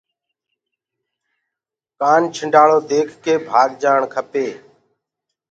سوپيري ديک ڪي ڀآگجآڻ کپي۔